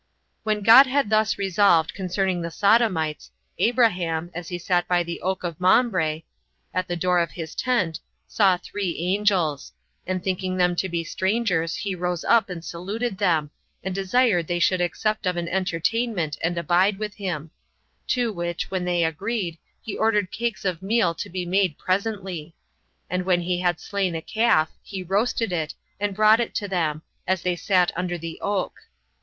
2. When God had thus resolved concerning the Sodomites, Abraham, as he sat by the oak of Mambre, at the door of his tent, saw three angels; and thinking them to be strangers, he rose up, and saluted them, and desired they would accept of an entertainment, and abide with him; to which, when they agreed, he ordered cakes of meal to be made presently; and when he had slain a calf, he roasted it, and brought it to them, as they sat under the oak.